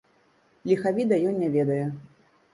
Ліхавіда ён не ведае.